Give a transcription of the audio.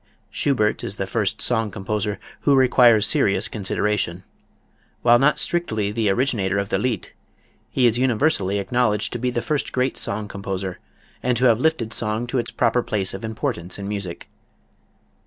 Schubert is the first song composer who requires serious consideration. While not strictly the originator of the Lied, he is universally acknowledged to be the first great song composer and to have lifted song to its proper place of importance in music.